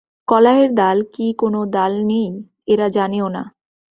কলায়ের দাল কি কোন দাল নেই, এরা জানেও না।